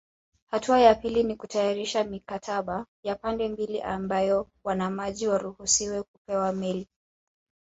Hatua ya pili ni kutayarisha mikataba ya pande mbili ambayo wanamaji waruhusiwe kupekua meli